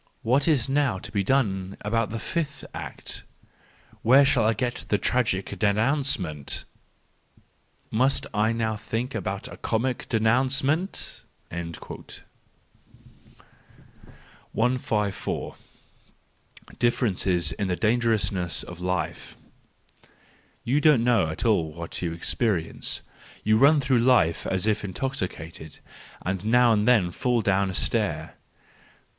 What is now to be done about the fifth act ? Where shall I get the 186 THE JOYFUL WISDOM, III tragic denouement! Must I now think about a comic denouement?" 1 54 . Differences in the Dangerousness of Life .—You don't know at all what you experience; you run through life as if intoxicated, and now and then fall down a stair.